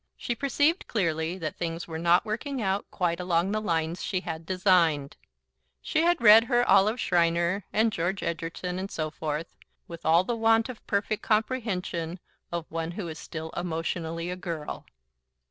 She perceived clearly that things were not working out quite along the lines she had designed . She had read her Olive Schreiner and George Egerton, and so forth, with all the want of perfect comprehension of one who is still emotionally a girl.